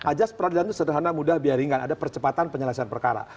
ajas peradilan itu sederhana mudah biar ringan ada percepatan penyelesaian perkara